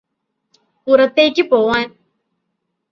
പുറത്തേക്ക് പോവാൻ